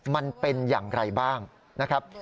มันเป็นอย่างไรบ้างนะครับ